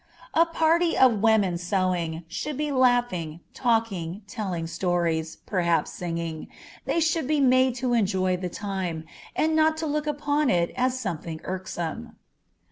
A party of women sewing, should be laughing, talking, telling stories, perhaps singing; they should be made to enjoy the time, and not to look upon it as something irksome.